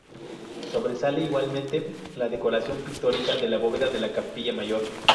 Sobresale igualmente la decoración pictórica de la bóveda de la capilla mayor.